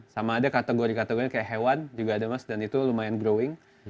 sama ada kategori kategori kayak hewan juga ada mas dan itu lumayan growing